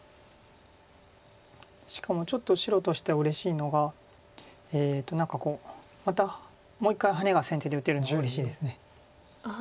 しかもちょっと白としてはうれしいのが何かこうまたもう一回ハネが先手で打てるのがうれしいです。